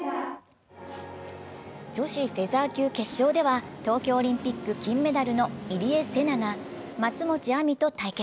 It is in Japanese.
女子フェザー級決勝では東京オリンピック金メダルの入江聖奈が松持亜実と対決。